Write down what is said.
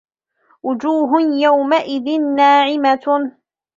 وُجُوهٌ يَوْمَئِذٍ نَاعِمَةٌ